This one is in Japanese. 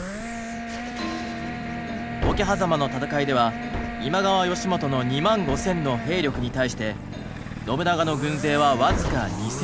桶狭間の戦いでは今川義元の２万５，０００の兵力に対して信長の軍勢は僅か２，０００でした。